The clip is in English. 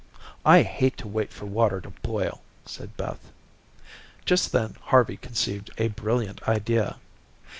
"I hate to wait for water to boil," said Beth. Just then Harvey conceived a brilliant idea.